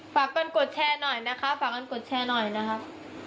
ฝากเงินกดแชร์หน่อยนะคะฝากเงินกดแชร์หน่อยนะครับ